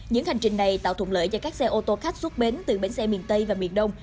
những hành trình này tạo thuận lợi cho các xe ô tô khách xuất bến từ bến xe miền tây và miền đông